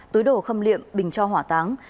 túi đồ khâm liệm bình cho hỏa táng